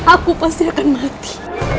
aku pasti akan mati